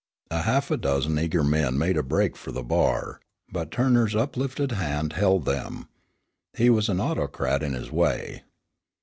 A half dozen eager men made a break for the bar, but Turner's uplifted hand held them. He was an autocrat in his way.